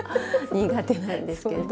苦手なんですけど。